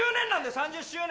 ３０周年。